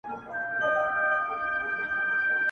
• پوهنتون د میني ولوله که غواړې,